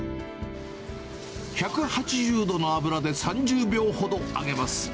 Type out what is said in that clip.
１８０度の油で３０秒ほど揚げます。